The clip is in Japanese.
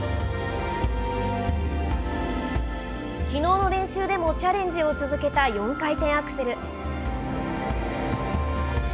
きのうの練習でもチャレンジを続けた４回転アクセル。